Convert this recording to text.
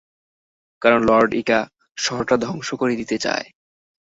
কারণ lord Ika শহরটা ধ্বংস করে দিতে চায়।